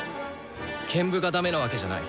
兼部がダメなわけじゃない。